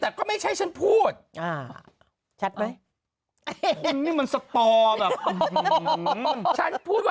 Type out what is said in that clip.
ได้แื้น